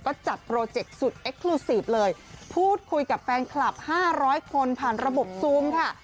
ก็จัดโปรเจกต์สุดเอ็กคลูซีฟเลยพูดคุยกับแฟนคลับ๕๐๐คนผ่านระบบซูมค่ะ